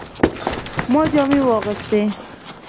ما جامې واغستې